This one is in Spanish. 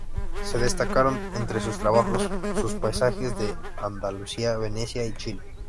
Se destacaron entre sus trabajos sus paisajes de Andalucía, Venecia y Chile.